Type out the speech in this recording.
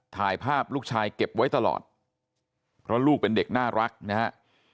ถ่ายภาพลูกชายเก็บไว้ตลอดเพราะลูกเป็นเด็กน่ารักนะฮะ